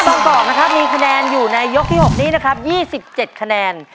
บางกอกนะครับมีคะแนนอยู่ในยกที่๖นี้นะครับ๒๗คะแนน